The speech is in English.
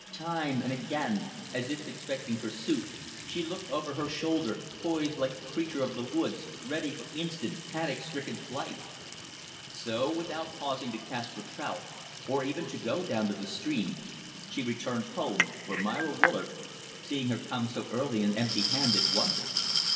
Time and again, as if expecting pursuit, she looked over her shoulder poised like a creature of the woods ready for instant panic stricken flight. So, without pausing to cast for trout, or even to go down to the stream, she returned home; where Myra Willard, seeing her come so early and empty handed, wondered.